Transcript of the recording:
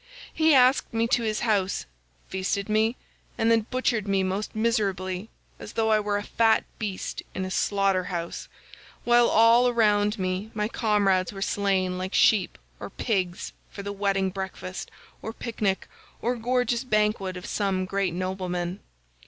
He asked me to his house, feasted me, and then butchered me most miserably as though I were a fat beast in a slaughter house, while all around me my comrades were slain like sheep or pigs for the wedding breakfast, or picnic, or gorgeous banquet of some great nobleman.